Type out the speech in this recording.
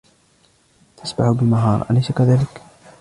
تسبح بمهارة ، أليس كذلك ؟